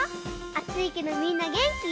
あついけどみんなげんき？